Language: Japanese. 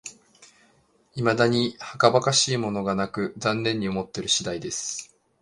いまだにはかばかしいものがなく、残念に思っている次第です